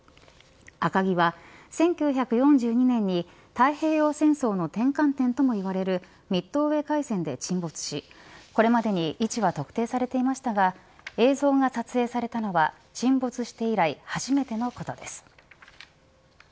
赤城は１９４２年に太平洋戦争の転換点ともいわれるミッドウェー海戦で沈没しこれまでに位置は特定されていましたが映像が撮影されたのは沈没して以来初めてのことです。